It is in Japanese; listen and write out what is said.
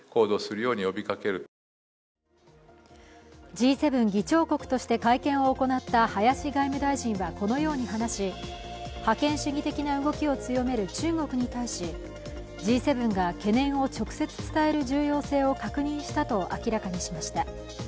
Ｇ７議長国として会見を行った林外務大臣はこのように話し、覇権主義的な動きを強める中国に対しＧ７が懸念を直接伝える重要性を確認したと明らかにしました。